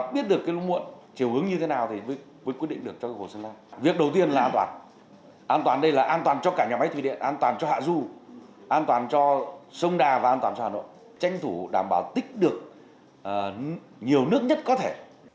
bảo đảm và an toàn cho hà nội tranh thủ đảm bảo tích được nhiều nước nhất có thể